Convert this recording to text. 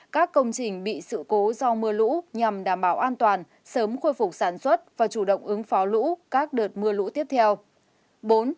các công trình bị sự cố do mưa lũ nhằm đảm bảo an toàn sớm khôi phục sản xuất và chủ động ứng phó lũ các đợt mưa lũ tiếp theo